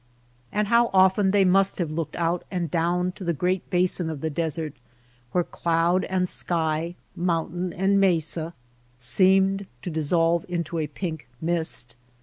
And how often fchey must have looked out and down to the great basin of the desert where cloud and sky, mountain and mesa, seemed to dissolve into a pink mist